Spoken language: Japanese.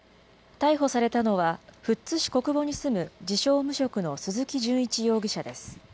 逮捕されたのは、富津市小久保に住む自称無職の鈴木順一容疑者です。